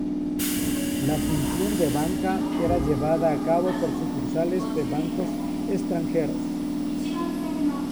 La función de banca era llevada a cabo por sucursales de bancos extranjeros.